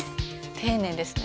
丁寧ですね